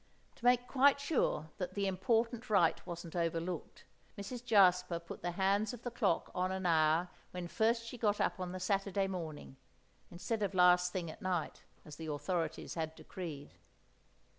To make quite sure that the important rite wasn't overlooked, Mrs. Jasper put the hands of the clock on an hour when first she got up on the Saturday morning, instead of last thing at night, as the authorities had decreed.